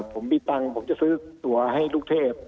ผมมีตังค์ผมจะซื้อตัวให้ลูกเทพ